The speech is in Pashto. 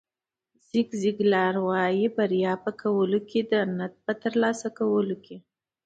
زیګ زیګلار وایي بریا په کولو کې ده نه په ترلاسه کولو.